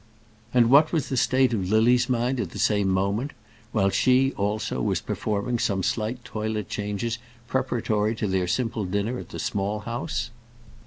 And what was the state of Lily's mind at the same moment, while she, also, was performing some slight toilet changes preparatory to their simple dinner at the Small House?